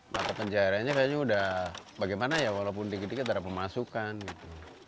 mata penjaranya kayaknya udah bagaimana ya walaupun dikit dikit ada pemasukan gitu